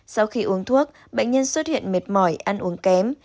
sau khi uống thuốc bệnh nhân xuất hiện mệt mỏi ăn uống kém